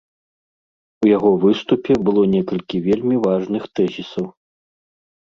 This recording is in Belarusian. У яго выступе было некалькі вельмі важных тэзісаў.